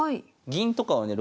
銀とかはね